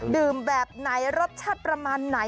แบบไหนรสชาติประมาณไหน